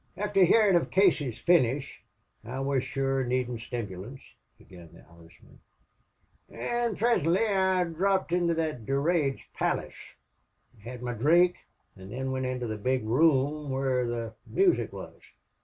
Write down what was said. "Afther hearin' of Casey's finish I was shure needin' stimulants," began the Irishman. "An' prisintly I drhopped into that Durade's Palace. I had my drink, an' thin went into the big room where the moosic wuz.